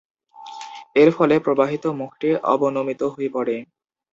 এর ফলে প্রবাহের মুখটি অবনমিত হয়ে পড়ে।